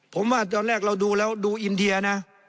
ผมว่าตอนแรกเราดูแล้วดูอินเดียนะ